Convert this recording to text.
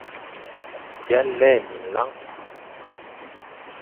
B îa lè minlañ.